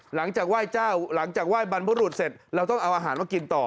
หลังจากไหว้เจ้าหลังจากไหว้บรรพบุรุษเสร็จเราต้องเอาอาหารมากินต่อ